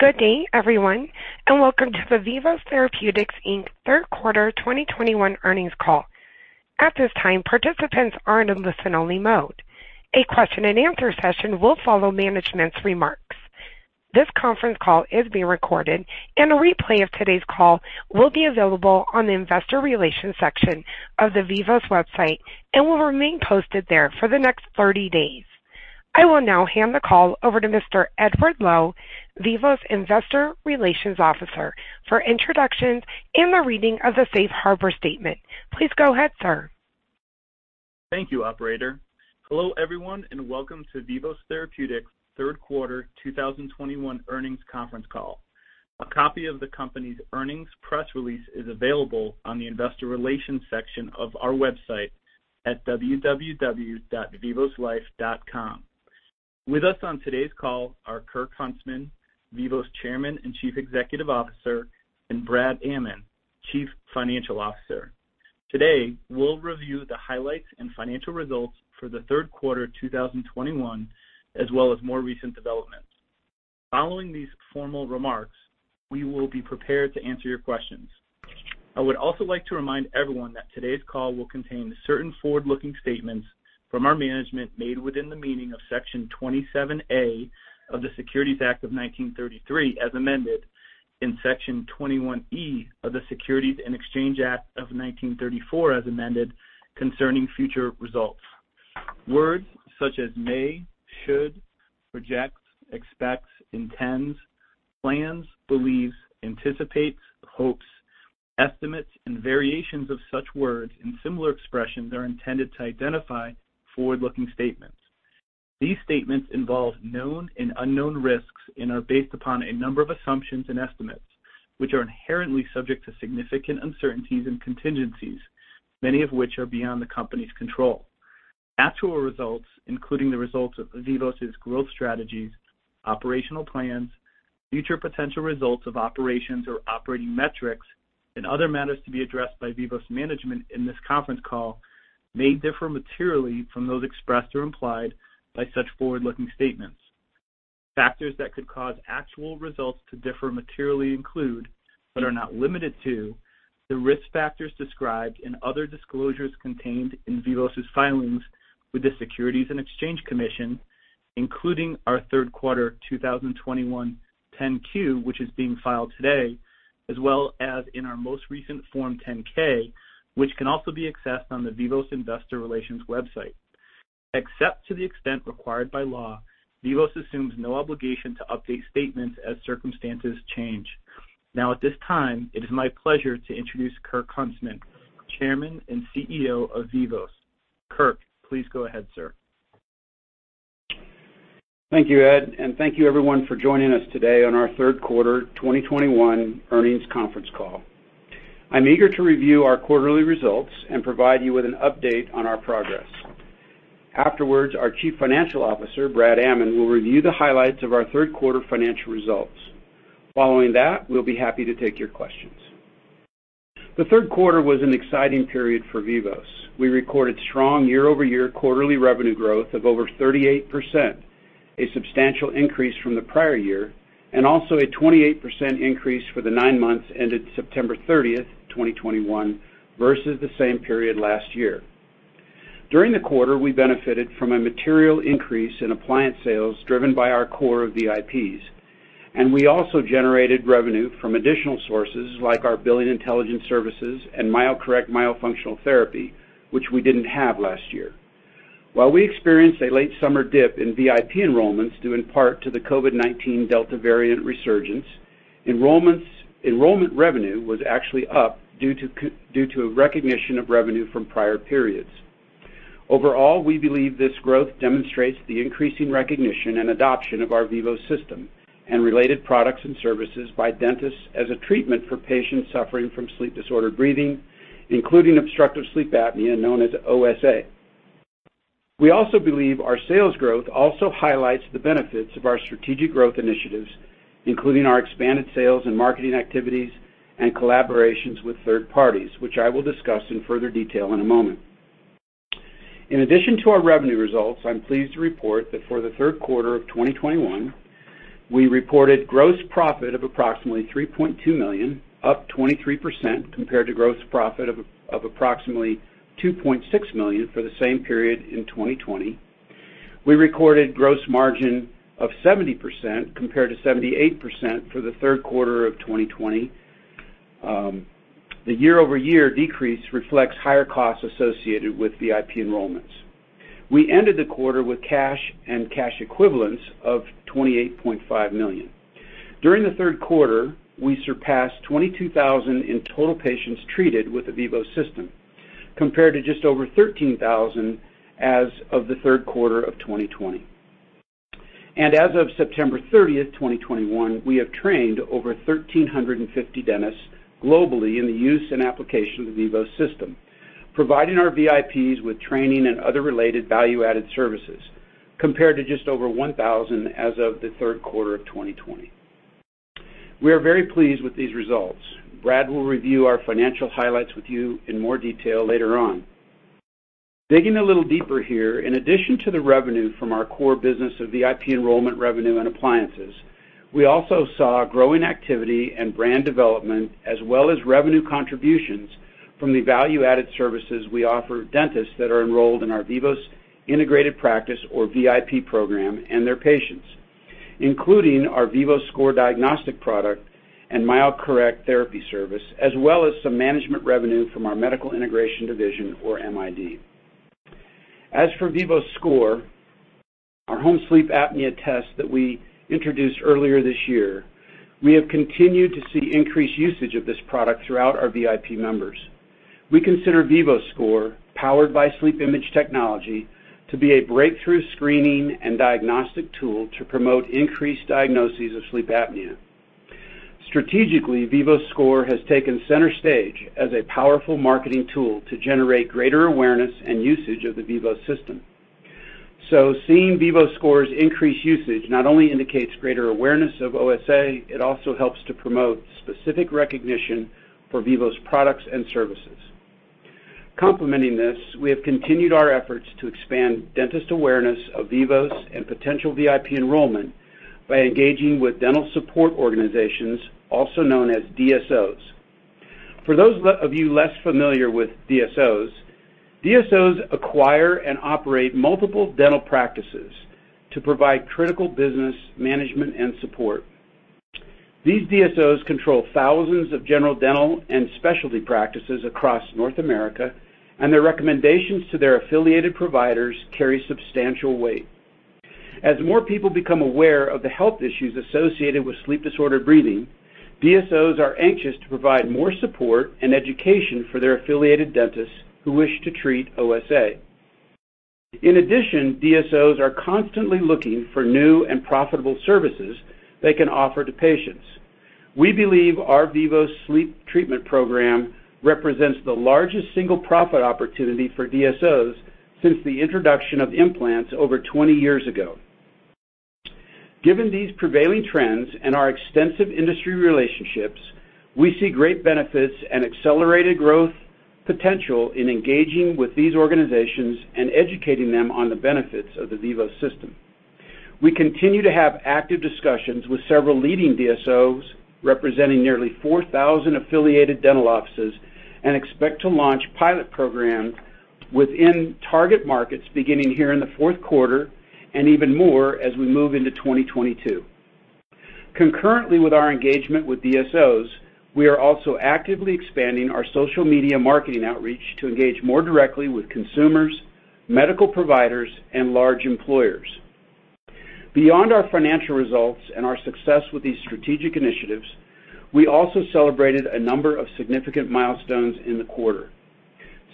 Good day, everyone, and welcome to the Vivos Therapeutics, Inc. third quarter 2021 earnings call. At this time, participants are in listen-only mode. A question and answer session will follow management's remarks. This conference call is being recorded, and a replay of today's call will be available on the investor relations section of the Vivos website and will remain posted there for the next 30 days. I will now hand the call over to Mr. Edward Loew, Vivos Investor Relations Officer, for introductions and the reading of the safe harbor statement. Please go ahead, sir. Thank you, operator. Hello, everyone, and welcome to Vivos Therapeutics third quarter 2021 earnings conference call. A copy of the company's earnings press release is available on the investor relations section of our website at www.vivos.com. With us on today's call are Kirk Huntsman, Vivos Chairman and Chief Executive Officer, and Brad Amman, Chief Financial Officer. Today, we'll review the highlights and financial results for the third quarter 2021, as well as more recent developments. Following these formal remarks, we will be prepared to answer your questions. I would also like to remind everyone that today's call will contain certain forward-looking statements from our management made within the meaning of Section 27A of the Securities Act of 1933, as amended, in Section 21E of the Securities Exchange Act of 1934, as amended, concerning future results. Words such as may, should, project, expects, intends, plans, believes, anticipates, hopes, estimates, and variations of such words and similar expressions are intended to identify forward-looking statements. These statements involve known and unknown risks and are based upon a number of assumptions and estimates, which are inherently subject to significant uncertainties and contingencies, many of which are beyond the company's control. Actual results, including the results of Vivos' growth strategies, operational plans, future potential results of operations or operating metrics, and other matters to be addressed by Vivos management in this conference call may differ materially from those expressed or implied by such forward-looking statements. Factors that could cause actual results to differ materially include, but are not limited to, the risk factors described and other disclosures contained in Vivos' filings with the Securities and Exchange Commission, including our third quarter 2021 10-Q, which is being filed today, as well as in our most recent Form 10-K, which can also be accessed on the Vivos investor relations website. Except to the extent required by law, Vivos assumes no obligation to update statements as circumstances change. Now, at this time, it is my pleasure to introduce Kirk Huntsman, Chairman and CEO of Vivos. Kirk, please go ahead, sir. Thank you, Ed, and thank you everyone for joining us today on our third quarter 2021 earnings conference call. I'm eager to review our quarterly results and provide you with an update on our progress. Afterwards, our Chief Financial Officer, Brad Amman, will review the highlights of our third quarter financial results. Following that, we'll be happy to take your questions. The third quarter was an exciting period for Vivos. We recorded strong year-over-year quarterly revenue growth of over 38%, a substantial increase from the prior year, and also a 28% increase for the nine months ended September 30th, 2021 versus the same period last year. During the quarter, we benefited from a material increase in appliance sales driven by our core of VIPs. We also generated revenue from additional sources like our Billing Intelligence Services and MyoCorrect Myofunctional Therapy, which we didn't have last year. While we experienced a late summer dip in VIP enrollments, due in part to the COVID-19 Delta variant resurgence, enrollment revenue was actually up due to a recognition of revenue from prior periods. Overall, we believe this growth demonstrates the increasing recognition and adoption of our Vivos System and related products and services by dentists as a treatment for patients suffering from sleep-disordered breathing, including obstructive sleep apnea, known as OSA. We also believe our sales growth also highlights the benefits of our strategic growth initiatives, including our expanded sales and marketing activities and collaborations with third parties, which I will discuss in further detail in a moment. In addition to our revenue results, I'm pleased to report that for the third quarter of 2021, we reported gross profit of approximately $3.2 million, up 23% compared to gross profit of approximately $2.6 million for the same period in 2020. We recorded gross margin of 70% compared to 78% for the third quarter of 2020. The year-over-year decrease reflects higher costs associated with VIP enrollments. We ended the quarter with cash and cash equivalents of $28.5 million. During the third quarter, we surpassed 22,000 in total patients treated with the Vivos System, compared to just over 13,000 as of the third quarter of 2020. As of September 30th, 2021, we have trained over 1,350 dentists globally in the use and application of the Vivos System, providing our VIPs with training and other related value-added services, compared to just over 1,000 as of the third quarter of 2020. We are very pleased with these results. Brad will review our financial highlights with you in more detail later on. Digging a little deeper here, in addition to the revenue from our core business of VIP enrollment revenue and appliances, we also saw growing activity and brand development as well as revenue contributions from the value-added services we offer dentists that are enrolled in our Vivos Integrated Practice or VIP program and their patients, including our VivoScore diagnostic product and MyoCorrect therapy service, as well as some management revenue from our medical integration division or MID. As for VivoScore, our home sleep apnea test that we introduced earlier this year, we have continued to see increased usage of this product throughout our VIP members. We consider VivoScore, powered by SleepImage technology, to be a breakthrough screening and diagnostic tool to promote increased diagnoses of sleep apnea. Strategically, VivoScore has taken center stage as a powerful marketing tool to generate greater awareness and usage of the Vivos System. Seeing VivoScores increase usage not only indicates greater awareness of OSA, it also helps to promote specific recognition for Vivos products and services. Complementing this, we have continued our efforts to expand dentist awareness of Vivos and potential VIP enrollment by engaging with dental support organizations, also known as DSOs. For those of you less familiar with DSOs acquire and operate multiple dental practices to provide critical business management and support. These DSOs control thousands of general dental and specialty practices across North America, and their recommendations to their affiliated providers carry substantial weight. As more people become aware of the health issues associated with sleep-disordered breathing, DSOs are anxious to provide more support and education for their affiliated dentists who wish to treat OSA. In addition, DSOs are constantly looking for new and profitable services they can offer to patients. We believe our Vivos sleep treatment program represents the largest single profit opportunity for DSOs since the introduction of implants over 20 years ago. Given these prevailing trends and our extensive industry relationships, we see great benefits and accelerated growth potential in engaging with these organizations and educating them on the benefits of the Vivos System. We continue to have active discussions with several leading DSOs representing nearly 4,000 affiliated dental offices and expect to launch pilot programs within target markets beginning here in the fourth quarter and even more as we move into 2022. Concurrently with our engagement with DSOs, we are also actively expanding our social media marketing outreach to engage more directly with consumers, medical providers, and large employers. Beyond our financial results and our success with these strategic initiatives, we also celebrated a number of significant milestones in the quarter.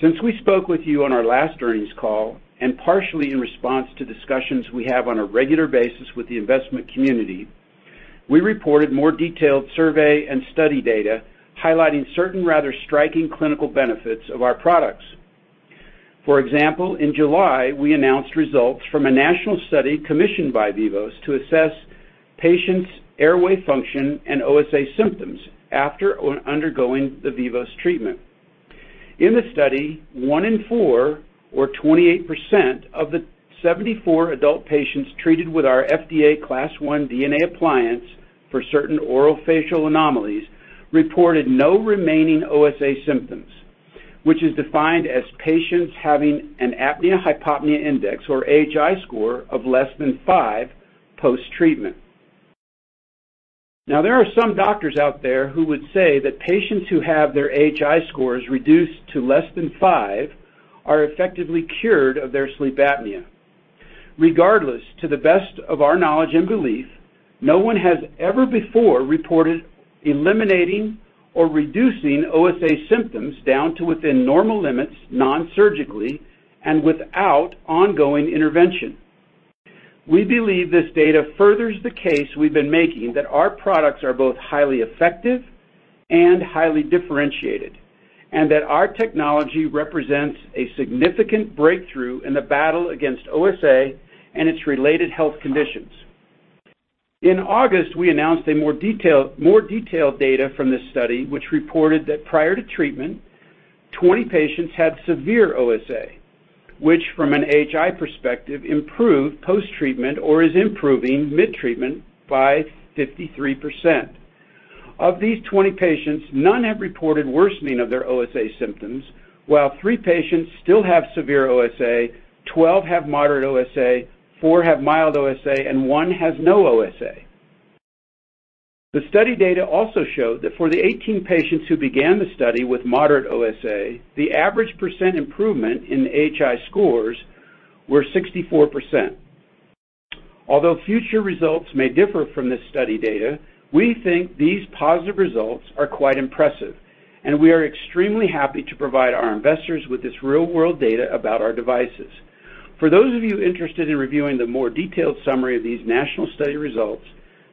Since we spoke with you on our last earnings call and partially in response to discussions we have on a regular basis with the investment community, we reported more detailed survey and study data highlighting certain rather striking clinical benefits of our products. For example, in July, we announced results from a national study commissioned by Vivos to assess patients' airway function and OSA symptoms after undergoing the Vivos treatment. In the study, one in four or 28% of the 74 adult patients treated with our FDA Class I DNA appliance for certain orofacial anomalies reported no remaining OSA symptoms, which is defined as patients having an Apnea-Hypopnea Index or AHI score of less than five post-treatment. Now, there are some doctors out there who would say that patients who have their AHI scores reduced to less than five are effectively cured of their sleep apnea. Regardless, to the best of our knowledge and belief, no one has ever before reported eliminating or reducing OSA symptoms down to within normal limits non-surgically and without ongoing intervention. We believe this data furthers the case we've been making that our products are both highly effective and highly differentiated, and that our technology represents a significant breakthrough in the battle against OSA and its related health conditions. In August, we announced more detailed data from this study, which reported that prior to treatment, 20 patients had severe OSA, which from an AHI perspective, improved post-treatment or is improving mid-treatment by 53%. Of these 20 patients, none have reported worsening of their OSA symptoms, while three patients still have severe OSA, 12 have moderate OSA, four have mild OSA, and 1 has no OSA. The study data also showed that for the 18 patients who began the study with moderate OSA, the average percent improvement in AHI scores were 64%. Although future results may differ from this study data, we think these positive results are quite impressive, and we are extremely happy to provide our investors with this real-world data about our devices. For those of you interested in reviewing the more detailed summary of these national study results,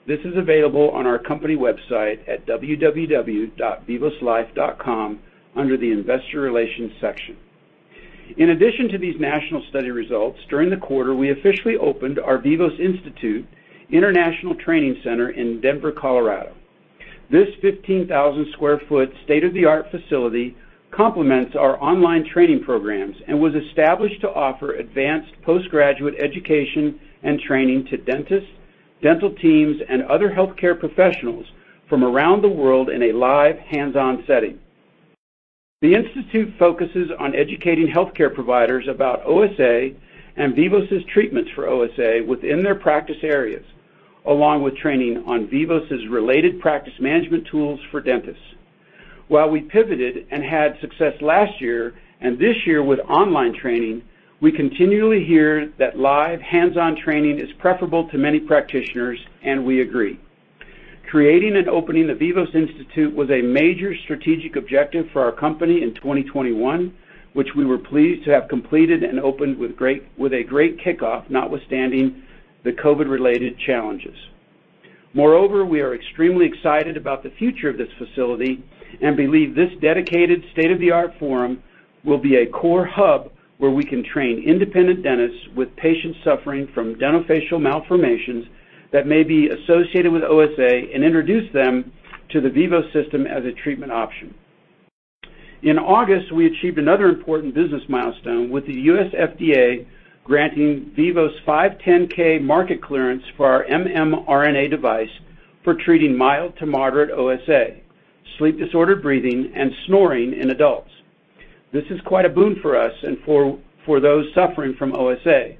this is available on our company website at vivos.com under the investor relations section. In addition to these national study results, during the quarter, we officially opened our Vivos Institute International Training Center in Denver, Colorado. This 15,000 sq ft state-of-the-art facility complements our online training programs and was established to offer advanced postgraduate education and training to dentists, dental teams, and other healthcare professionals from around the world in a live hands-on setting. The Vivos Institute focuses on educating healthcare providers about OSA and Vivos' treatments for OSA within their practice areas, along with training on Vivos' related practice management tools for dentists. While we pivoted and had success last year and this year with online training, we continually hear that live hands-on training is preferable to many practitioners, and we agree. Creating and opening the Vivos Institute was a major strategic objective for our company in 2021, which we were pleased to have completed and opened with a great kickoff, notwithstanding the COVID-related challenges. Moreover, we are extremely excited about the future of this facility and believe this dedicated state-of-the-art forum will be a core hub where we can train independent dentists with patients suffering from dentofacial malformations that may be associated with OSA and introduce them to the Vivos System as a treatment option. In August, we achieved another important business milestone with the U.S. FDA granting Vivos 510(k) market clearance for our mRNA appliance for treating mild to moderate OSA, sleep-disordered breathing, and snoring in adults. This is quite a boon for us and for those suffering from OSA.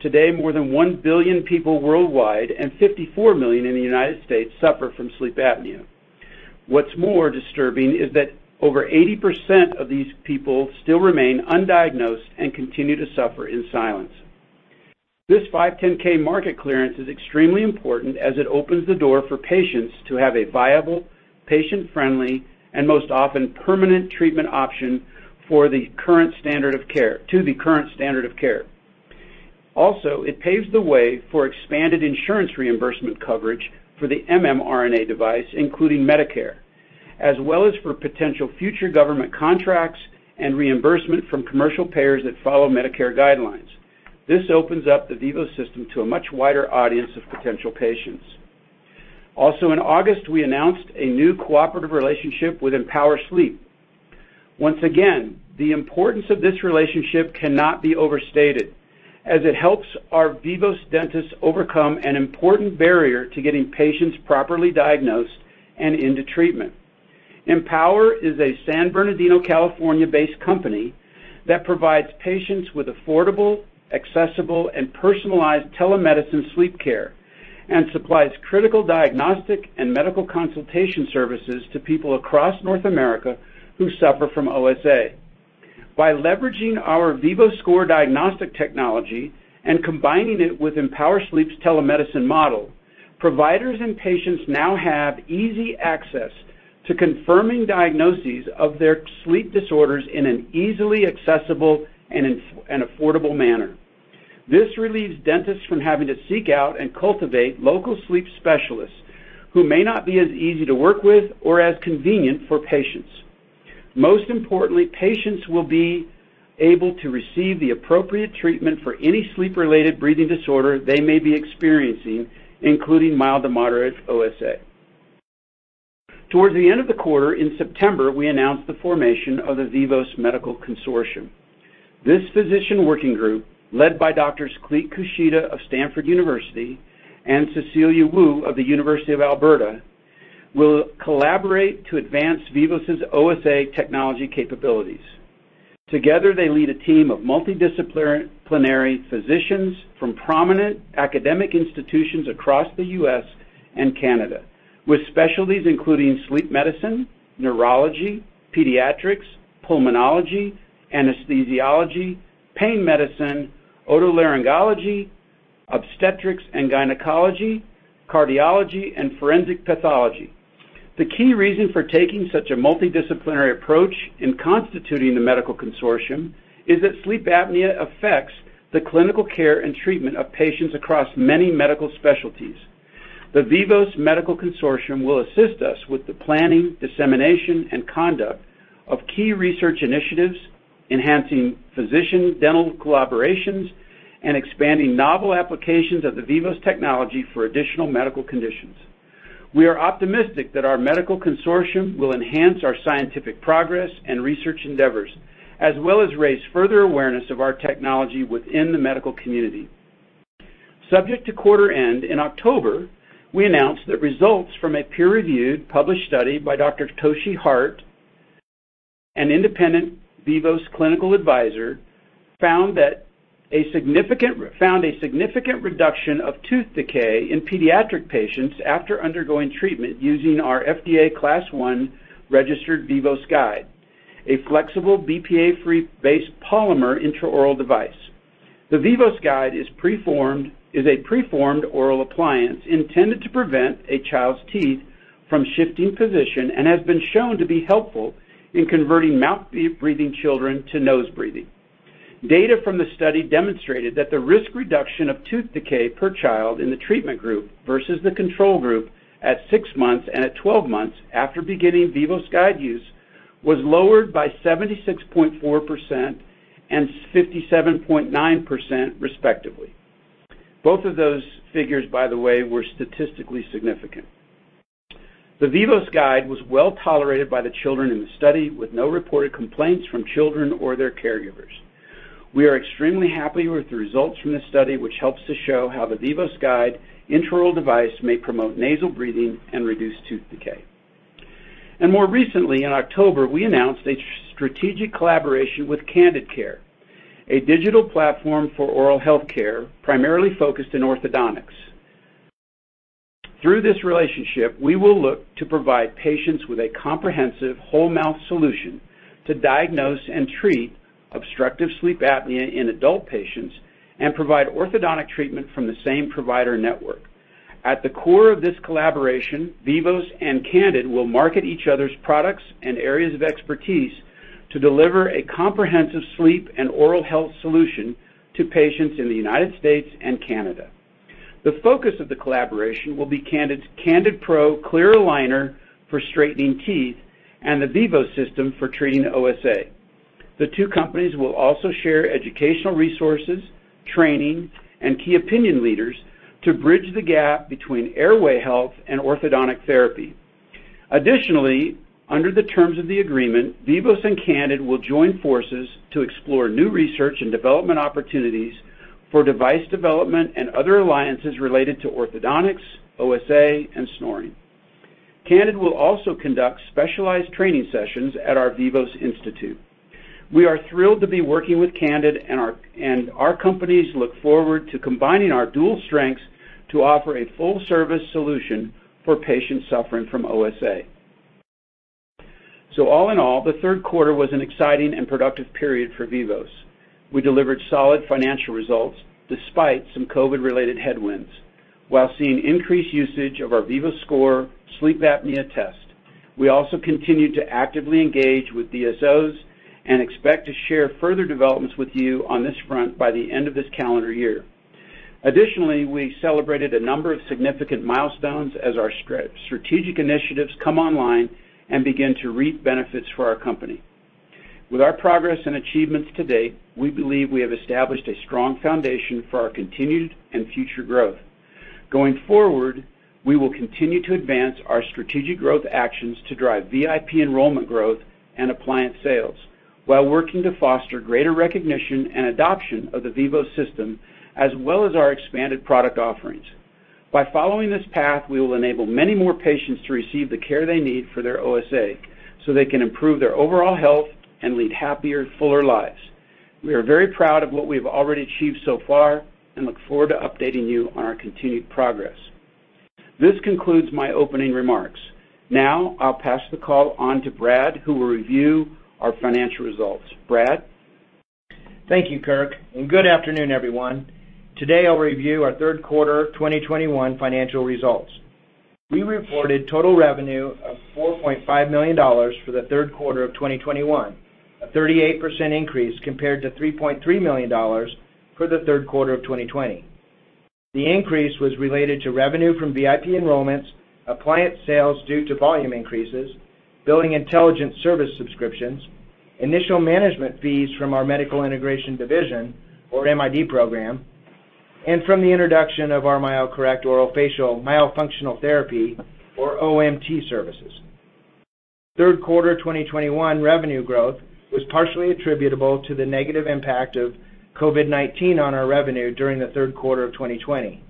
Today, more than 1 billion people worldwide and 54 million in the United States suffer from sleep apnea. What's more disturbing is that over 80% of these people still remain undiagnosed and continue to suffer in silence. This 510(k) market clearance is extremely important as it opens the door for patients to have a viable, patient-friendly, and most often permanent treatment option to the current standard of care. It paves the way for expanded insurance reimbursement coverage for the mRNA device, including Medicare, as well as for potential future government contracts and reimbursement from commercial payers that follow Medicare guidelines. This opens up the Vivos System to a much wider audience of potential patients. Also in August, we announced a new cooperative relationship with Empower Sleep. Once again, the importance of this relationship cannot be overstated, as it helps our Vivos dentists overcome an important barrier to getting patients properly diagnosed and into treatment. Empower Sleep is a San Bernardino, California-based company that provides patients with affordable, accessible, and personalized telemedicine sleep care and supplies critical diagnostic and medical consultation services to people across North America who suffer from OSA. By leveraging our VivoScore diagnostic technology and combining it with Empower Sleep's telemedicine model, providers and patients now have easy access to confirming diagnoses of their sleep disorders in an easily accessible and affordable manner. This relieves dentists from having to seek out and cultivate local sleep specialists who may not be as easy to work with or as convenient for patients. Most importantly, patients will be able to receive the appropriate treatment for any sleep-related breathing disorder they may be experiencing, including mild to moderate OSA. Towards the end of the quarter, in September, we announced the formation of the Vivos Medical Consortium. This physician working group, led by doctors Clete Kushida of Stanford University and Cecilia Wu of the University of Alberta, will collaborate to advance Vivos' OSA technology capabilities. Together, they lead a team of multidisciplinary physicians from prominent academic institutions across the U.S. and Canada, with specialties including sleep medicine, neurology, pediatrics, pulmonology, anesthesiology, pain medicine, otolaryngology, obstetrics and gynecology, cardiology, and forensic pathology. The key reason for taking such a multidisciplinary approach in constituting the medical consortium is that sleep apnea affects the clinical care and treatment of patients across many medical specialties. The Vivos Medical Consortium will assist us with the planning, dissemination, and conduct of key research initiatives, enhancing physician dental collaborations, and expanding novel applications of the Vivos technology for additional medical conditions. We are optimistic that our medical consortium will enhance our scientific progress and research endeavors, as well as raise further awareness of our technology within the medical community. Subject to quarter end, in October, we announced that results from a peer-reviewed published study by Dr. Toshi Hart, an Independent Vivos Clinical Advisor, found a significant reduction of tooth decay in pediatric patients after undergoing treatment using our FDA Class I registered Vivos Guide, a flexible BPA-free based polymer intraoral device. The Vivos Guide is a preformed oral appliance intended to prevent a child's teeth from shifting position and has been shown to be helpful in converting mouth breathing children to nose breathing. Data from the study demonstrated that the risk reduction of tooth decay per child in the treatment group versus the control group at six months and at 12 months after beginning Vivos Guide use was lowered by 76.4% and 57.9% respectively. Both of those figures, by the way, were statistically significant. The Vivos Guide was well-tolerated by the children in the study, with no reported complaints from children or their caregivers. We are extremely happy with the results from this study, which helps to show how the Vivos Guides intraoral device may promote nasal breathing and reduce tooth decay. More recently, in October, we announced a strategic collaboration with Candid, a digital platform for oral health care primarily focused in orthodontics. Through this relationship, we will look to provide patients with a comprehensive whole-mouth solution to diagnose and treat obstructive sleep apnea in adult patients and provide orthodontic treatment from the same provider network. At the core of this collaboration, Vivos and Candid will market each other's products and areas of expertise to deliver a comprehensive sleep and oral health solution to patients in the United States and Canada. The focus of the collaboration will be Candid's CandidPro clear aligner for straightening teeth and the Vivos System for treating OSA. The two companies will also share educational resources, training, and key opinion leaders to bridge the gap between airway health and orthodontic therapy. Additionally, under the terms of the agreement, Vivos and Candid will join forces to explore new research and development opportunities for device development and other alliances related to orthodontics, OSA, and snoring. Candid will also conduct specialized training sessions at our Vivos Institute. We are thrilled to be working with Candid, and our companies look forward to combining our dual strengths to offer a full-service solution for patients suffering from OSA. All in all, the third quarter was an exciting and productive period for Vivos. We delivered solid financial results despite some COVID-related headwinds while seeing increased usage of our VivoScore sleep apnea test. We also continued to actively engage with DSOs and expect to share further developments with you on this front by the end of this calendar year. Additionally, we celebrated a number of significant milestones as our strategic initiatives come online and begin to reap benefits for our company. With our progress and achievements to date, we believe we have established a strong foundation for our continued and future growth. Going forward, we will continue to advance our strategic growth actions to drive VIP enrollment growth and appliance sales while working to foster greater recognition and adoption of the Vivos System, as well as our expanded product offerings. By following this path, we will enable many more patients to receive the care they need for their OSA, so they can improve their overall health and lead happier, fuller lives. We are very proud of what we've already achieved so far and look forward to updating you on our continued progress. This concludes my opening remarks. Now I'll pass the call on to Brad, who will review our financial results. Brad? Thank you, Kirk, and good afternoon, everyone. Today, I'll review our third quarter 2021 financial results. We reported total revenue of $4.5 million for the third quarter of 2021, a 38% increase compared to $3.3 million for the third quarter of 2020. The increase was related to revenue from VIP enrollments, appliance sales due to volume increases, Billing Intelligence Services subscriptions, initial management fees from our medical integration division or MID program, and from the introduction of our MyoCorrect orofacial myofunctional therapy or OMT services. Third quarter 2021 revenue growth was partially attributable to the negative impact of COVID-19 on our revenue during the third quarter of 2020.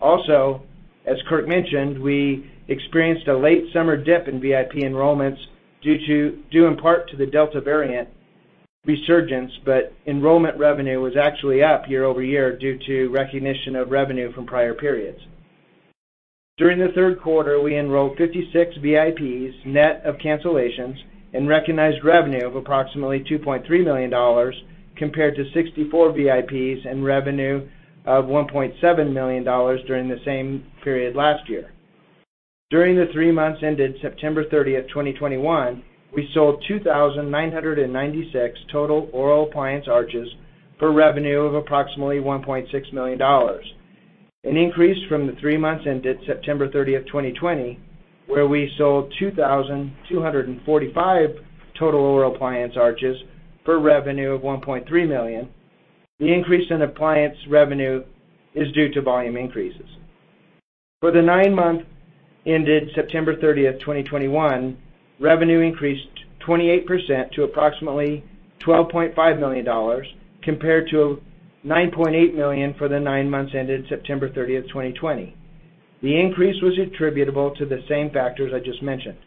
Also, as Kirk mentioned, we experienced a late summer dip in VIP enrollments due in part to the Delta variant resurgence, but enrollment revenue was actually up year-over-year due to recognition of revenue from prior periods. During the third quarter, we enrolled 56 VIPs net of cancellations and recognized revenue of approximately $2.3 million compared to 64 VIPs and revenue of $1.7 million during the same period last year. During the three months ended September 30th, 2021, we sold 2,996 total oral appliance arches for revenue of approximately $1.6 million, an increase from the three months ended September 30th, 2020, where we sold 2,245 total oral appliance arches for revenue of $1.3 million. The increase in appliance revenue is due to volume increases. For the nine months ended September 30th, 2021, revenue increased 28% to approximately $12.5 million compared to $9.8 million for the nine months ended September 30th, 2020. The increase was attributable to the same factors I just mentioned.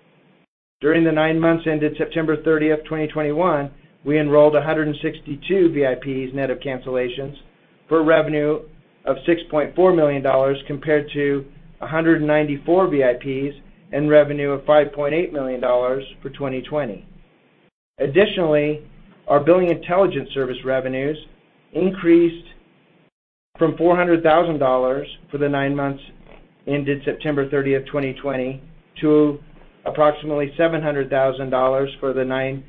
During the nine months ended September 30th, 2021, we enrolled 162 VIPs net of cancellations for revenue of $6.4 million compared to 194 VIPs and revenue of $5.8 million for 2020. Additionally, our Billing Intelligence Services revenues increased from $400,000 for the nine months ended September 30th, 2020, to approximately $700,000 for the nine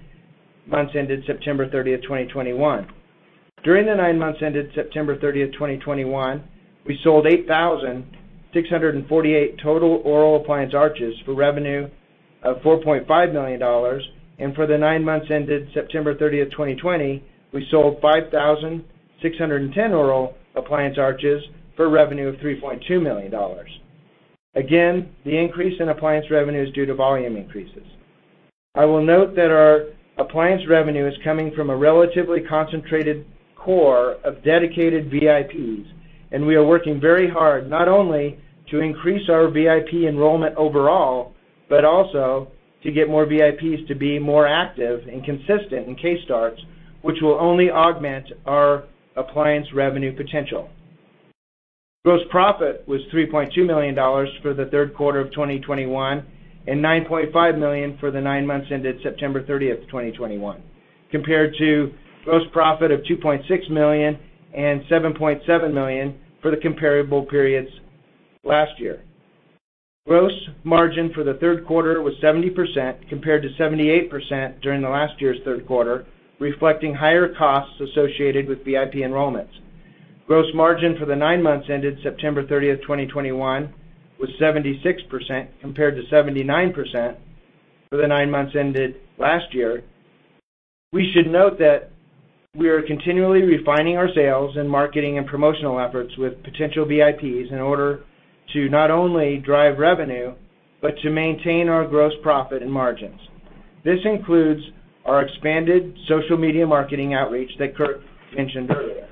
months ended September 30th, 2021. During the nine months ended September 30th, 2021, we sold 8,648 total oral appliance arches for revenue of $4.5 million. For the five months ended September 30th, 2020, we sold 5,610 oral appliance arches for revenue of $3.2 million. Again, the increase in appliance revenue is due to volume increases. I will note that our appliance revenue is coming from a relatively concentrated core of dedicated VIPs, and we are working very hard not only to increase our VIP enrollment overall, but also to get more VIPs to be more active and consistent in case starts, which will only augment our appliance revenue potential. Gross profit was $3.2 million for the third quarter of 2021 and $9.5 million for the nine months ended September 30th, 2021, compared to gross profit of $2.6 million and $7.7 million for the comparable periods last year. Gross margin for the third quarter was 70% compared to 78% during last year's third quarter, reflecting higher costs associated with VIP enrollments. Gross margin for the nine months ended September 30th, 2021 was 76% compared to 79% for the nine months ended last year. We should note that we are continually refining our sales and marketing and promotional efforts with potential VIPs in order to not only drive revenue, but to maintain our gross profit and margins. This includes our expanded social media marketing outreach that Kirk mentioned earlier.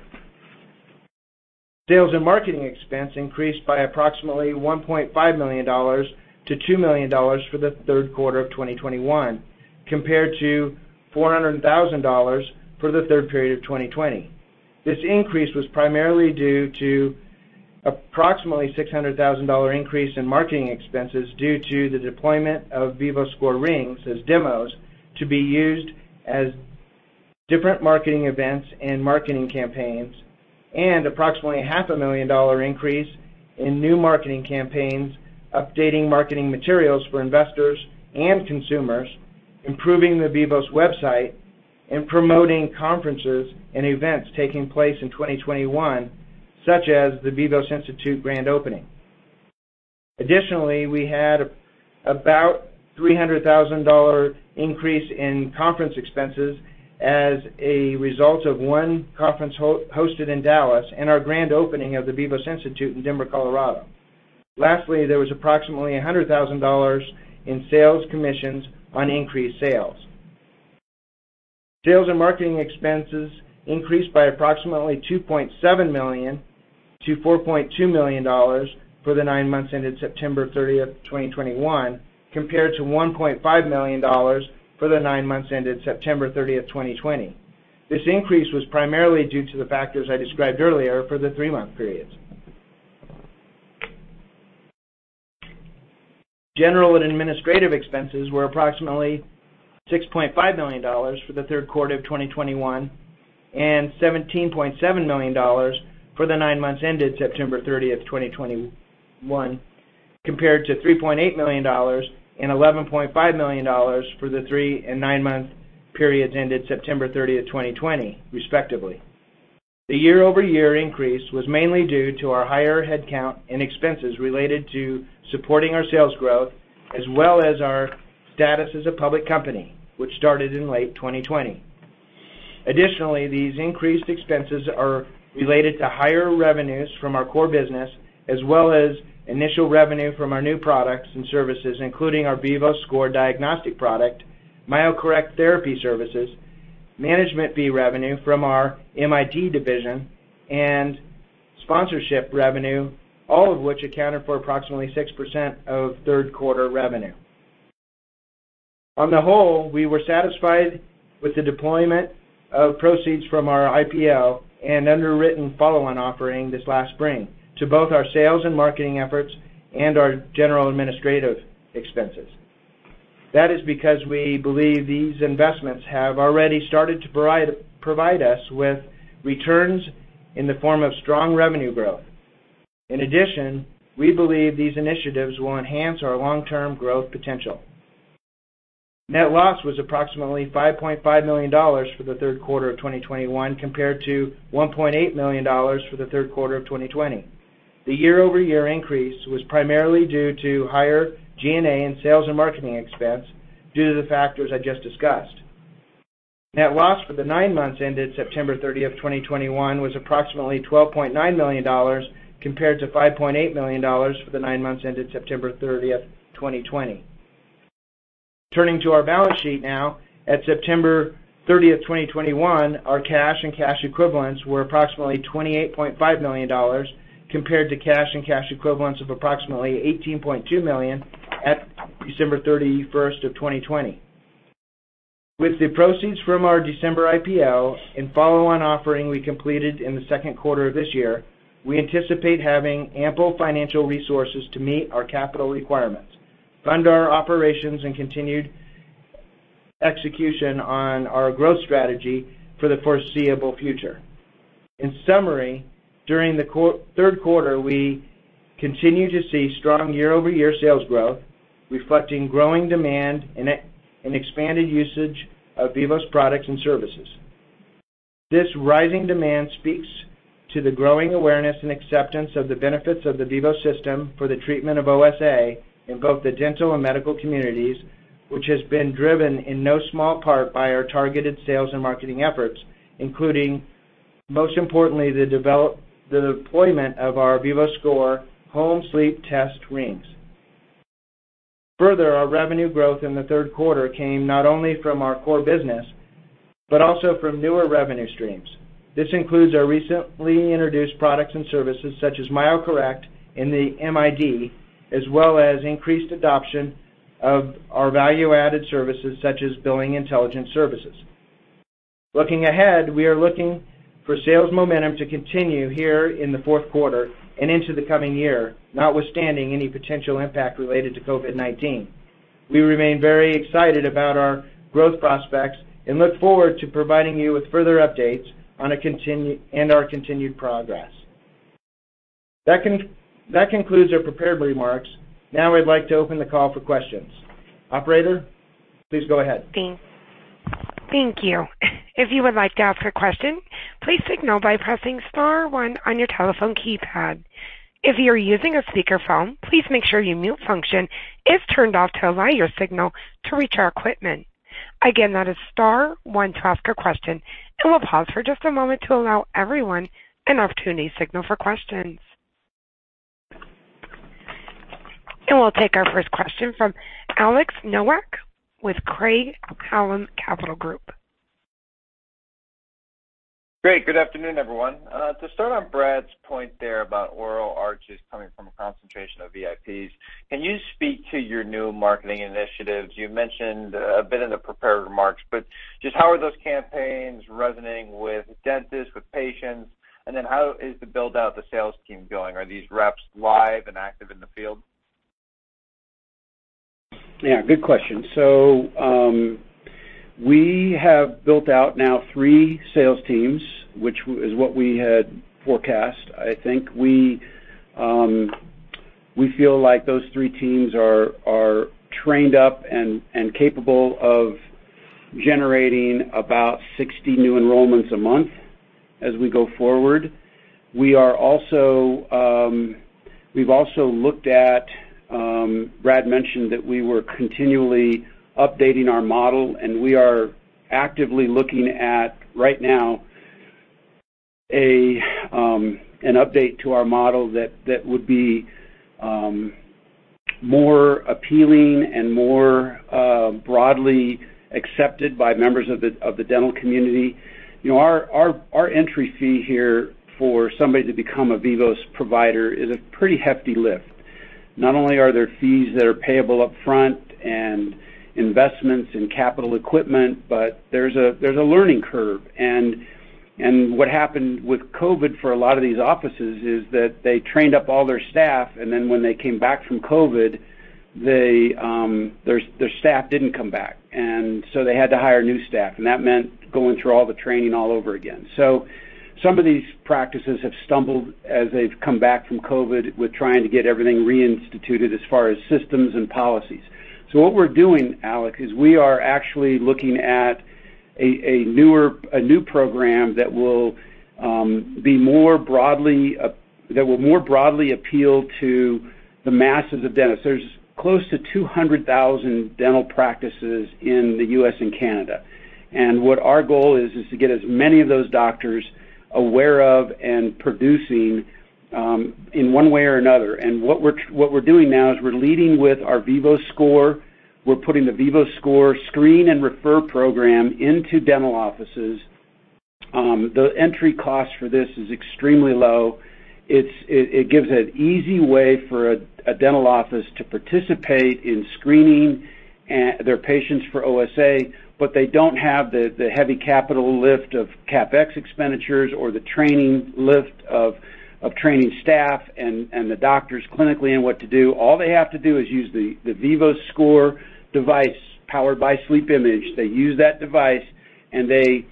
Sales and marketing expense increased by approximately $1.5 million to $2 million for the third quarter of 2021 compared to $400,000 for the third quarter of 2020. This increase was primarily due to approximately $600,000 increase in marketing expenses due to the deployment of VivoScore rings as demos to be used as different marketing events and marketing campaigns, and approximately $500,000 increase in new marketing campaigns, updating marketing materials for investors and consumers, improving the Vivos website, and promoting conferences and events taking place in 2021, such as the Vivos Institute grand opening. Additionally, we had about $300,000 increase in conference expenses as a result of one conference hosted in Dallas and our grand opening of the Vivos Institute in Denver, Colorado. Lastly, there was approximately $100,000 in sales commissions on increased sales. Sales and marketing expenses increased by approximately $2.7 million to $4.2 million for the nine months ended September 30th, 2021, compared to $1.5 million for the nine months ended September 30th, 2020. This increase was primarily due to the factors I described earlier for the three-month periods. General and administrative expenses were approximately $6.5 million for the third quarter of 2021 and $17.7 million for the nine months ended September 30th, 2021, compared to $3.8 million and $11.5 million for the three- and nine-month periods ended September 30th, 2020, respectively. The year-over-year increase was mainly due to our higher headcount and expenses related to supporting our sales growth, as well as our status as a public company, which started in late 2020. Additionally, these increased expenses are related to higher revenues from our core business as well as initial revenue from our new products and services, including our VivoScore diagnostic product, MyoCorrect therapy services, management fee revenue from our medical integration division, and sponsorship revenue, all of which accounted for approximately 6% of third quarter revenue. On the whole, we were satisfied with the deployment of proceeds from our IPO and underwritten follow-on offering this last spring to both our sales and marketing efforts and our general administrative expenses. That is because we believe these investments have already started to provide us with returns in the form of strong revenue growth. In addition, we believe these initiatives will enhance our long-term growth potential. Net loss was approximately $5.5 million for the third quarter of 2021 compared to $1.8 million for the third quarter of 2020. The year-over-year increase was primarily due to higher G&A and sales and marketing expense due to the factors I just discussed. Net loss for the nine months ended September 30th, 2021 was approximately $12.9 million compared to $5.8 million for the nine months ended September 30th, 2020. Turning to our balance sheet now. At September 30th, 2021, our cash and cash equivalents were approximately $28.5 million compared to cash and cash equivalents of approximately $18.2 million at December 31st, 2020. With the proceeds from our December IPO and follow-on offering we completed in the second quarter of this year, we anticipate having ample financial resources to meet our capital requirements, fund our operations, and continued execution on our growth strategy for the foreseeable future. In summary, during the third quarter, we continued to see strong year-over-year sales growth reflecting growing demand and expanded usage of Vivos products and services. This rising demand speaks to the growing awareness and acceptance of the benefits of the Vivos System for the treatment of OSA in both the dental and medical communities, which has been driven in no small part by our targeted sales and marketing efforts, including, most importantly, the deployment of our VivoScore home sleep test rings. Further, our revenue growth in the third quarter came not only from our core business, but also from newer revenue streams. This includes our recently introduced products and services such as MyoCorrect and the MID, as well as increased adoption of our value-added services such as Billing Intelligence Services. Looking ahead, we are looking for sales momentum to continue here in the fourth quarter and into the coming year, notwithstanding any potential impact related to COVID-19. We remain very excited about our growth prospects and look forward to providing you with further updates and our continued progress. That concludes our prepared remarks. Now I'd like to open the call for questions. Operator, please go ahead. Thank you. If you would like to ask a question, please signal by pressing star one on your telephone keypad. If you're using a speakerphone, please make sure your mute function is turned off to allow your signal to reach our equipment. Again, that is star one to ask a question, and we'll pause for just a moment to allow everyone an opportunity to signal for questions. We'll take our first question from Alex Nowak with Craig-Hallum Capital Group. Great. Good afternoon, everyone. To start on Brad's point there about oral arches coming from a concentration of VIPs, can you speak to your new marketing initiatives? You mentioned a bit in the prepared remarks, but just how are those campaigns resonating with dentists, with patients? And then how is the build-out of the sales team going? Are these reps live and active in the field? Yeah, good question. We have built out now three sales teams, which is what we had forecast. I think we feel like those three teams are trained up and capable of generating about 60 new enrollments a month as we go forward. We are also, we've also looked at. Brad mentioned that we were continually updating our model, and we are actively looking at, right now, an update to our model that would be more appealing and more broadly accepted by members of the dental community. You know, our entry fee here for somebody to become a Vivos provider is a pretty hefty lift. Not only are there fees that are payable up front and investments in capital equipment, but there's a learning curve. What happened with COVID for a lot of these offices is that they trained up all their staff, and then when they came back from COVID, they, their staff didn't come back. They had to hire new staff, and that meant going through all the training all over again. Some of these practices have stumbled as they've come back from COVID with trying to get everything reinstituted as far as systems and policies. What we're doing, Alex, is we are actually looking at a new program that will more broadly appeal to the masses of dentists. There's close to 200,000 dental practices in the U.S. and Canada. What our goal is to get as many of those doctors aware of and producing in one way or another. What we're doing now is we're leading with our VivoScore. We're putting the VivoScore screen and refer program into dental offices. The entry cost for this is extremely low. It gives an easy way for a dental office to participate in screening their patients for OSA, but they don't have the heavy capital lift of CapEx expenditures or the training lift of training staff and the doctors clinically on what to do. All they have to do is use the VivoScore device powered by SleepImage. They use that device, and they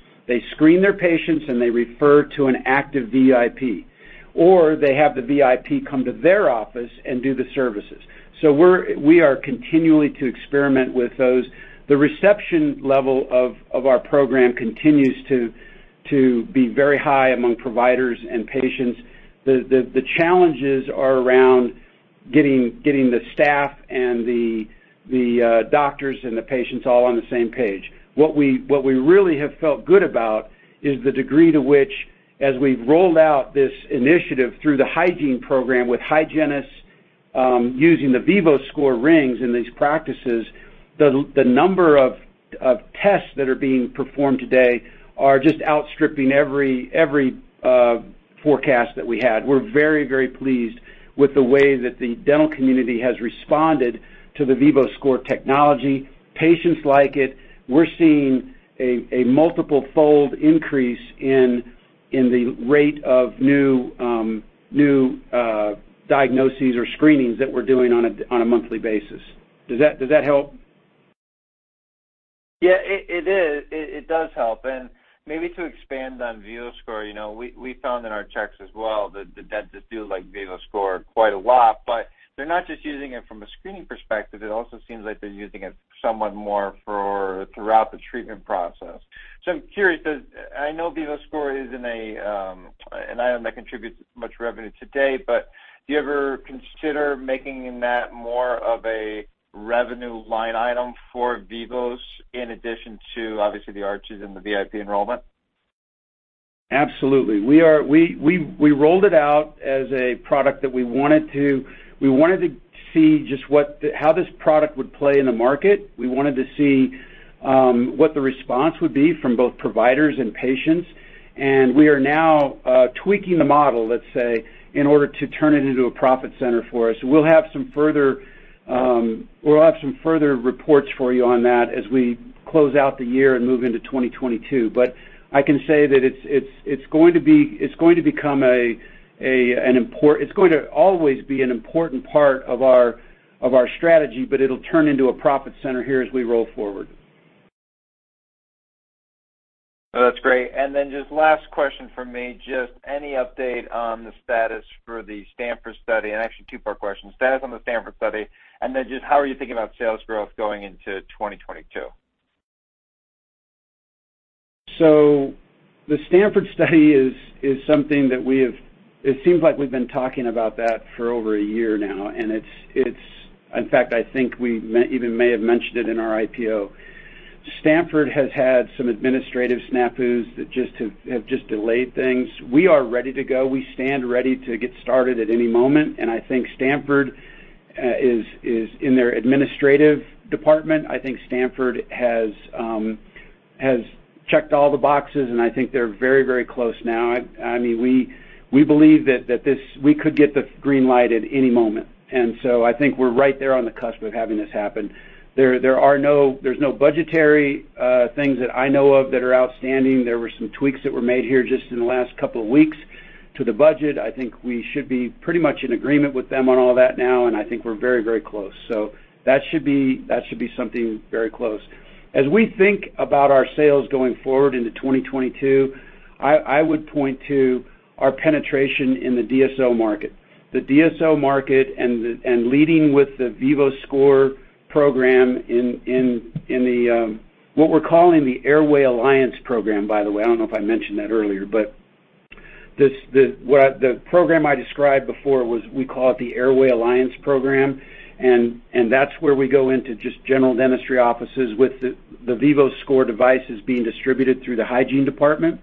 screen their patients, and they refer to an active VIP. Or they have the VIP come to their office and do the services. We are continually to experiment with those. The reception level of our program continues to be very high among providers and patients. The challenges are around getting the staff and the doctors and the patients all on the same page. What we really have felt good about is the degree to which, as we've rolled out this initiative through the hygiene program with hygienists, using the VivoScore rings in these practices, the number of tests that are being performed today are just outstripping every forecast that we had. We're very pleased with the way that the dental community has responded to the VivoScore technology. Patients like it. We're seeing a multiple-fold increase in the rate of new diagnoses or screenings that we're doing on a monthly basis. Does that help? Yeah, it is, it does help. Maybe to expand on VivoScore, you know, we found in our checks as well that the dentists do like VivoScore quite a lot, but they're not just using it from a screening perspective, it also seems like they're using it somewhat more for throughout the treatment process. I'm curious, I know VivoScore isn't an item that contributes much revenue today, but do you ever consider making that more of a revenue line item for Vivos in addition to obviously the arches and the VIP enrollment? Absolutely. We rolled it out as a product that we wanted to see how this product would play in the market. We wanted to see what the response would be from both providers and patients. We are now tweaking the model, let's say, in order to turn it into a profit center for us. We'll have some further reports for you on that as we close out the year and move into 2022. I can say that it's going to always be an important part of our strategy, but it'll turn into a profit center here as we roll forward. No, that's great. Just last question from me, just any update on the status for the Stanford study? Actually a two-part question, status on the Stanford study, and then just how are you thinking about sales growth going into 2022? The Stanford study is something it seems like we've been talking about that for over a year now, and. In fact, I think we even may have mentioned it in our IPO. Stanford has had some administrative snafus that just have delayed things. We are ready to go. We stand ready to get started at any moment, and I think Stanford is in their administrative department. I think Stanford has checked all the boxes, and I think they're very close now. I mean, we believe that we could get the green light at any moment. I think we're right there on the cusp of having this happen. There's no budgetary things that I know of that are outstanding. There were some tweaks that were made here just in the last couple of weeks to the budget. I think we should be pretty much in agreement with them on all that now, and I think we're very, very close. That should be something very close. As we think about our sales going forward into 2022, I would point to our penetration in the DSO market. The DSO market and leading with the VivoScore program in the Airway Alliance program, by the way. I don't know if I mentioned that earlier. This, the program I described before was, we call it the Airway Alliance program, and that's where we go into just general dentistry offices with the VivoScore devices being distributed through the hygiene department.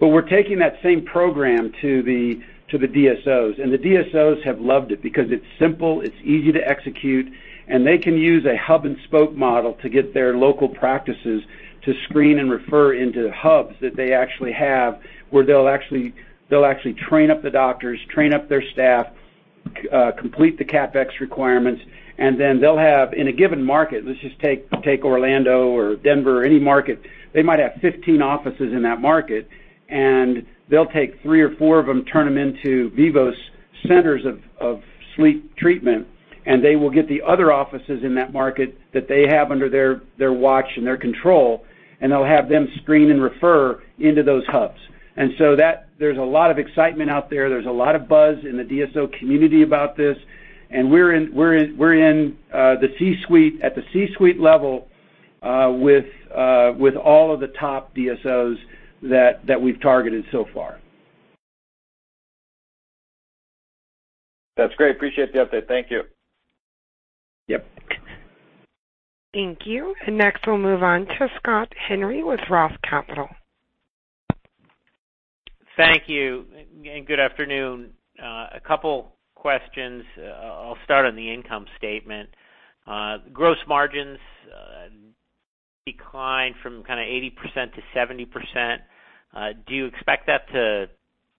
We're taking that same program to the DSOs. The DSOs have loved it because it's simple, it's easy to execute, and they can use a hub-and-spoke model to get their local practices to screen and refer into hubs that they actually have, where they'll actually train up the doctors, train up their staff, complete the CapEx requirements, and then they'll have in a given market, let's just take Orlando or Denver or any market, they might have 15 offices in that market, and they'll take three or four of them, turn them into Vivos centers of sleep treatment, and they will get the other offices in that market that they have under their watch and their control, and they'll have them screen and refer into those hubs. There's a lot of excitement out there. There's a lot of buzz in the DSO community about this, and we're in the C-suite, at the C-suite level, with all of the top DSOs that we've targeted so far. That's great. Appreciate the update. Thank you. Yep. Thank you. Next, we'll move on to Scott Henry with Roth Capital. Thank you and good afternoon. A couple questions. I'll start on the income statement. Gross margins declined from kinda 80%-70%. Do you expect that to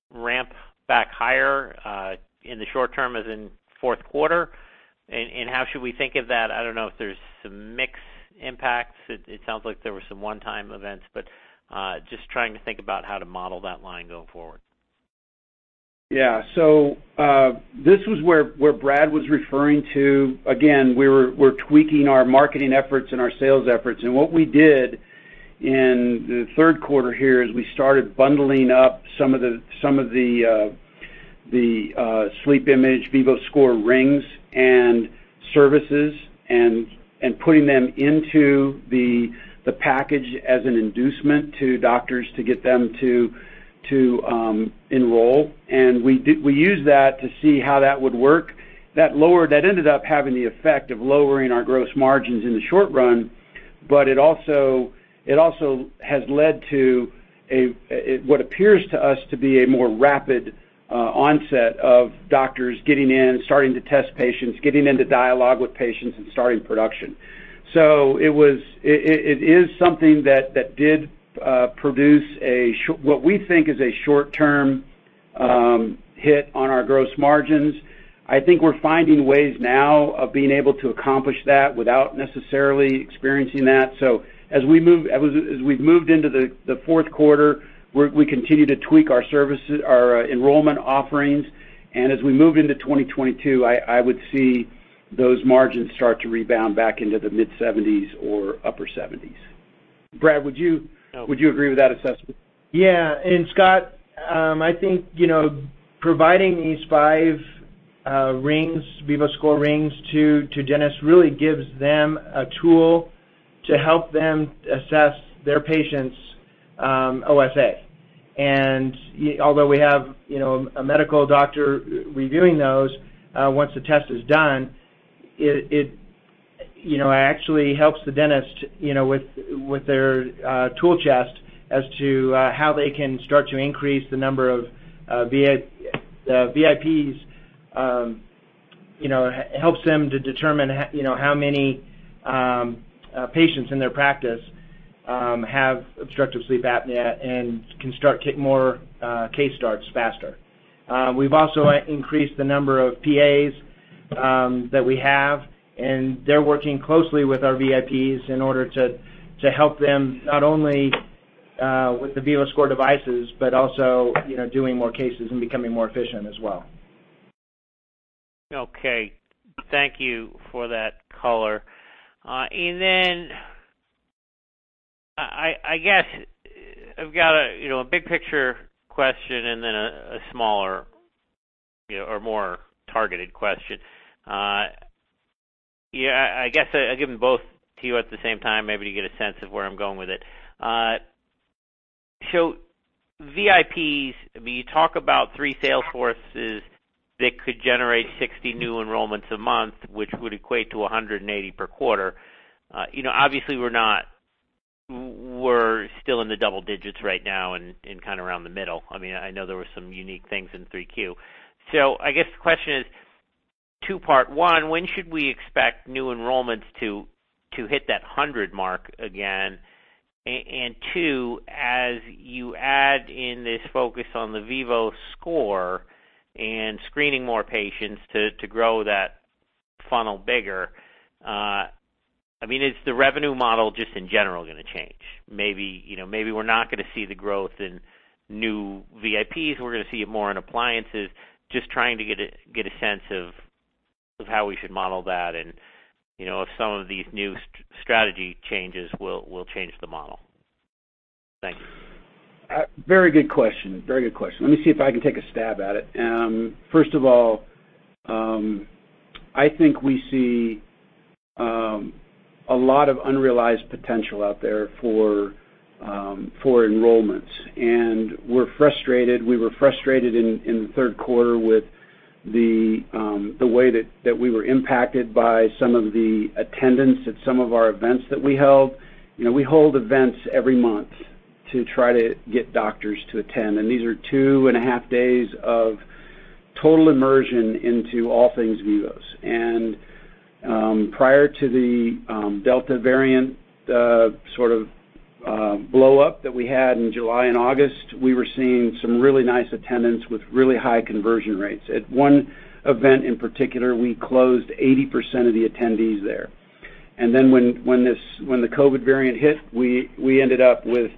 ramp back higher in the short term as in fourth quarter? And how should we think of that? I don't know if there's some mix impacts. It sounds like there were some one-time events, but just trying to think about how to model that line going forward. Yeah. This was where Brad was referring to. Again, we're tweaking our marketing efforts and our sales efforts. What we did in the third quarter here is we started bundling up some of the SleepImage, VivoScore rings and services and putting them into the package as an inducement to doctors to get them to enroll. We used that to see how that would work. That ended up having the effect of lowering our gross margins in the short run, but it has led to a what appears to us to be a more rapid onset of doctors getting in, starting to test patients, getting into dialogue with patients and starting production. It is something that did produce what we think is a short-term hit on our gross margins. I think we're finding ways now of being able to accomplish that without necessarily experiencing that. As we've moved into the fourth quarter, we continue to tweak our services, our enrollment offerings. As we move into 2022, I would see those margins start to rebound back into the mid-70s% or upper 70s%. Brad, would you agree with that assessment? Yeah. Scott, I think, you know, providing these 5 rings, VivoScore rings to dentists really gives them a tool to help them assess their patients' OSA. Although we have, you know, a medical doctor reviewing those once the test is done, it you know, actually helps the dentist, you know, with their tool chest as to how they can start to increase the number of the VIPs, you know, helps them to determine you know, how many patients in their practice have obstructive sleep apnea and can start to get more case starts faster. We've also increased the number of PAs that we have, and they're working closely with our VIPs in order to help them not only with the VivoScore devices, but also, you know, doing more cases and becoming more efficient as well. Okay. Thank you for that color. I guess I've got a big picture question and then a smaller, you know, or more targeted question. Yeah, I guess I'll give them both to you at the same time, maybe to get a sense of where I'm going with it. VIPs, when you talk about three sales forces that could generate 60 new enrollments a month, which would equate to 180 per quarter, you know, obviously we're not. We're still in the double digits right now and kind of around the middle. I mean, I know there were some unique things in 3Q. I guess the question is two-part. One, when should we expect new enrollments to hit that 100 mark again? Two, as you add in this focus on the VivoScore and screening more patients to grow that funnel bigger, I mean, is the revenue model just in general gonna change? Maybe, you know, maybe we're not gonna see the growth in new VIPs, we're gonna see it more in appliances. Just trying to get a sense of how we should model that and, you know, if some of these new strategy changes will change the model. Thank you. Very good question. Let me see if I can take a stab at it. First of all, I think we see a lot of unrealized potential out there for enrollments. We're frustrated. We were frustrated in the third quarter with the way that we were impacted by some of the attendance at some of our events that we held. You know, we hold events every month to try to get doctors to attend. These are 2.5 days of total immersion into all things Vivos. Prior to the Delta variant sort of blowup that we had in July and August, we were seeing some really nice attendance with really high conversion rates. At one event in particular, we closed 80% of the attendees there. When the COVID variant hit, we ended up with,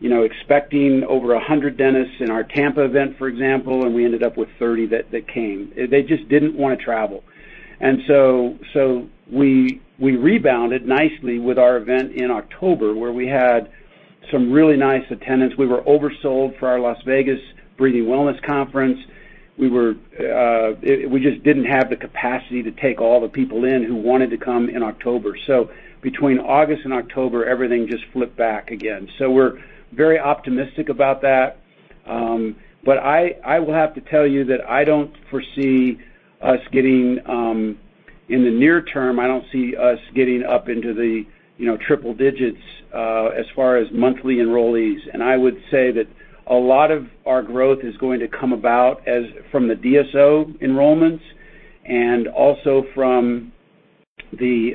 you know, expecting over 100 dentists in our Tampa event, for example, and we ended up with 30 that came. They just didn't wanna travel. So we rebounded nicely with our event in October, where we had some really nice attendance. We were oversold for our Las Vegas Breathing Wellness Conference. We just didn't have the capacity to take all the people in who wanted to come in October. Between August and October, everything just flipped back again. We're very optimistic about that. But I will have to tell you that in the near term, I don't see us getting up into the, you know, triple digits as far as monthly enrollees. I would say that a lot of our growth is going to come about from the DSO enrollments and also from the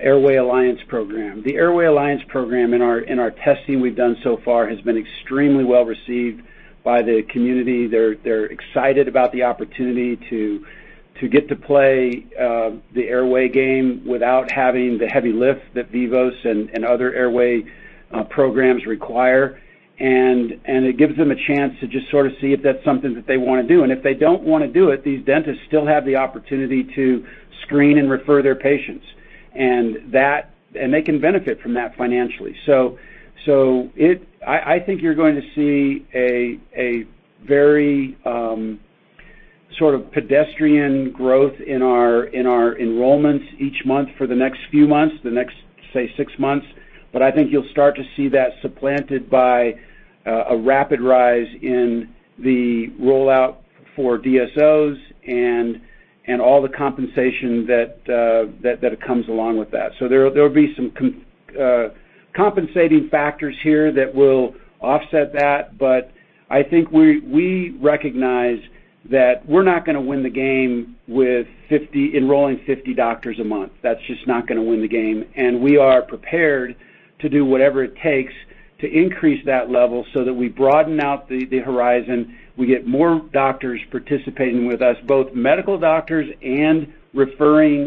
Airway Alliance program. The Airway Alliance program in our testing we've done so far has been extremely well-received by the community. They're excited about the opportunity to get to play the airway game without having the heavy lift that Vivos and other airway programs require. It gives them a chance to just sort of see if that's something that they wanna do. If they don't wanna do it, these dentists still have the opportunity to screen and refer their patients. That they can benefit from that financially. I think you're going to see a very sort of pedestrian growth in our enrollments each month for the next few months, say, six months. I think you'll start to see that supplanted by a rapid rise in the rollout for DSOs and all the compensation that comes along with that. There'll be some compensating factors here that will offset that. I think we recognize that we're not gonna win the game with enrolling 50 doctors a month. That's just not gonna win the game. We are prepared to do whatever it takes to increase that level so that we broaden out the horizon, we get more doctors participating with us, both medical doctors and referring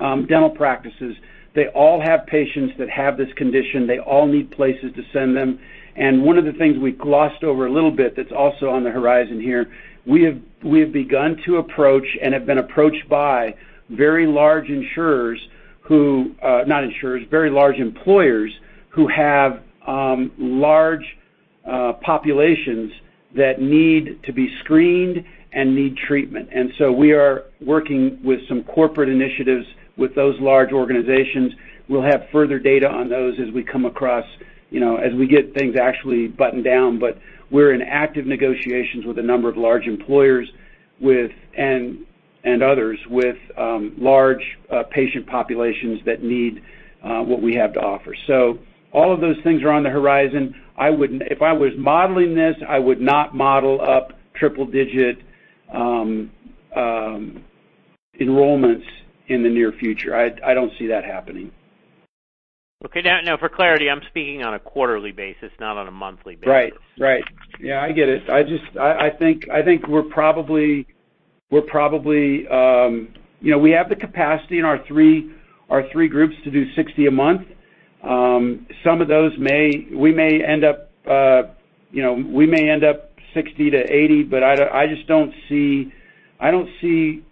dental practices. They all have patients that have this condition. They all need places to send them. One of the things we glossed over a little bit that's also on the horizon here, we have begun to approach and have been approached by very large insurers who, not insurers, very large employers who have large populations that need to be screened and need treatment. We are working with some corporate initiatives with those large organizations. We'll have further data on those as we come across, you know, as we get things actually buttoned down. We're in active negotiations with a number of large employers and others with large patient populations that need what we have to offer. All of those things are on the horizon. If I was modeling this, I would not model up triple digit enrollments in the near future. I don't see that happening. Okay. Now for clarity, I'm speaking on a quarterly basis, not on a monthly basis. Right. Yeah, I get it. I just think we're probably you know, we have the capacity in our three groups to do 60 a month. Some of those may end up you know 60-80, but I just don't see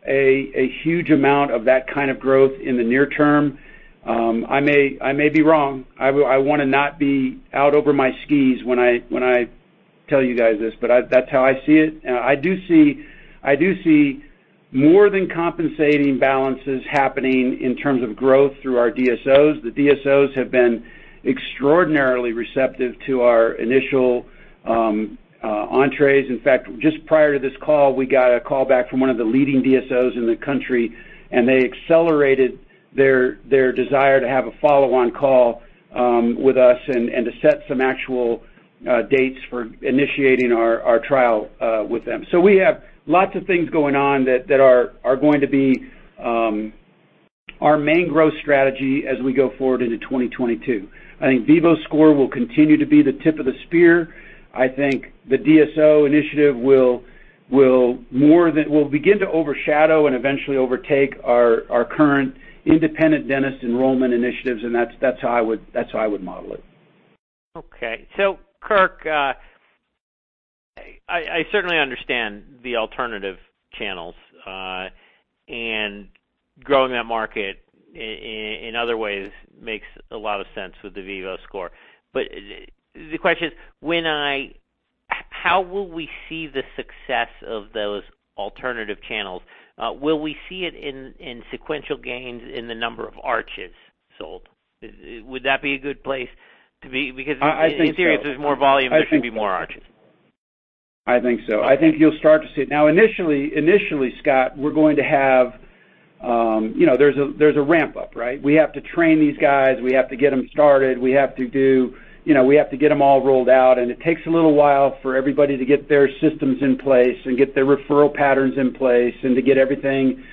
a huge amount of that kind of growth in the near term. I may be wrong. I wanna not be out over my skis when I tell you guys this, but that's how I see it. I do see more than compensating balances happening in terms of growth through our DSOs. The DSOs have been extraordinarily receptive to our initial entries. In fact, just prior to this call, we got a call back from one of the leading DSOs in the country, and they accelerated their desire to have a follow-on call with us and to set some actual dates for initiating our trial with them. We have lots of things going on that are going to be our main growth strategy as we go forward into 2022. I think VivoScore will continue to be the tip of the spear. I think the DSO initiative will begin to overshadow and eventually overtake our current independent dentist enrollment initiatives, and that's how I would model it. Okay. Kirk, I certainly understand the alternative channels. Growing that market in other ways makes a lot of sense with the VivoScore. The question is, how will we see the success of those alternative channels? Will we see it in sequential gains in the number of arches sold? Would that be a good place to be? Because I think so. In theory, if there's more volume, there should be more arches. I think so. I think you'll start to see it. Now, initially, Scott, we're going to have, you know, there's a ramp up, right? We have to train these guys. We have to get them started. We have to get them all rolled out. It takes a little while for everybody to get their systems in place and get their referral patterns in place and to get everything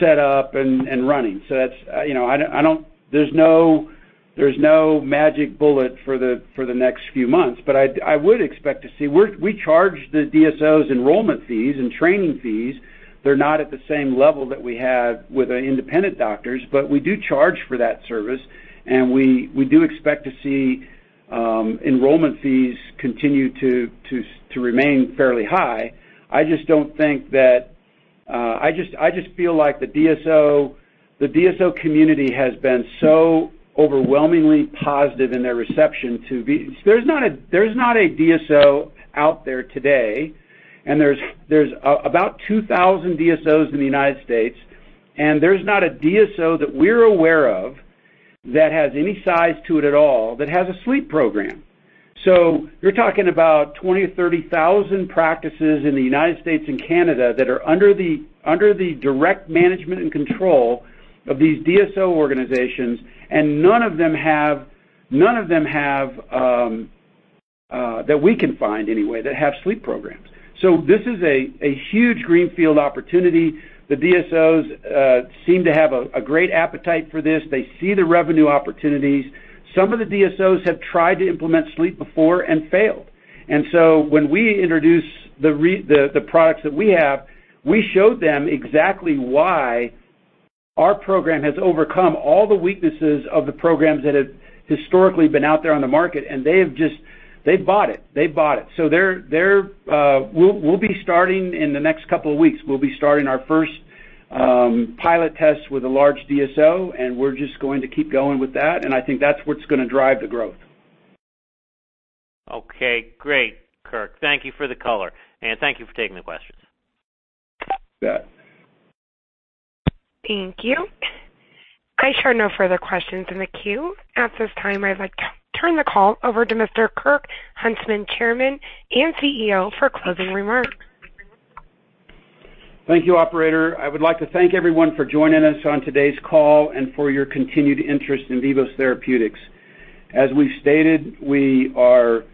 set up and running. That's, you know, I don't. There's no magic bullet for the next few months. I would expect to see. We charge the DSOs enrollment fees and training fees. They're not at the same level that we have with our independent doctors, but we do charge for that service, and we do expect to see enrollment fees continue to remain fairly high. I just don't think that I just feel like the DSO community has been so overwhelmingly positive in their reception to Vivos. There's not a DSO out there today, and there's about 2,000 DSOs in the United States, and there's not a DSO that we're aware of that has any size to it at all that has a sleep program. You're talking about 20,000-30,000 practices in the United States and Canada that are under the direct management and control of these DSO organizations, and none of them have that we can find anyway, that have sleep programs. This is a huge greenfield opportunity. The DSOs seem to have a great appetite for this. They see the revenue opportunities. Some of the DSOs have tried to implement sleep before and failed. When we introduce the products that we have, we showed them exactly why our program has overcome all the weaknesses of the programs that have historically been out there on the market, and they have just bought it. They're... In the next couple of weeks, we'll be starting our first pilot test with a large DSO, and we're just going to keep going with that. I think that's what's gonna drive the growth. Okay, great, Kirk. Thank you for the color, and thank you for taking the questions. You bet. Thank you. I show no further questions in the queue. At this time, I'd like to turn the call over to Mr. Kirk Huntsman, Chairman and CEO, for closing remarks. Thank you, operator. I would like to thank everyone for joining us on today's call and for your continued interest in Vivos Therapeutics. As we've stated, we are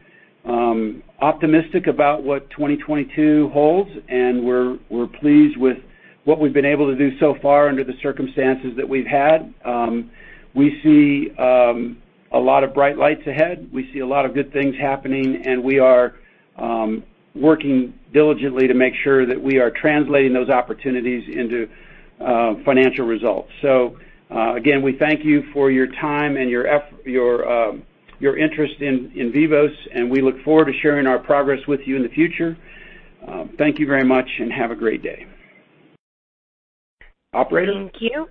optimistic about what 2022 holds, and we're pleased with what we've been able to do so far under the circumstances that we've had. We see a lot of bright lights ahead. We see a lot of good things happening, and we are working diligently to make sure that we are translating those opportunities into financial results. Again, we thank you for your time and your interest in Vivos, and we look forward to sharing our progress with you in the future. Thank you very much, and have a great day. Operator? Thank you.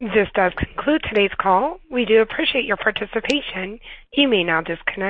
This does conclude today's call. We do appreciate your participation. You may now disconnect.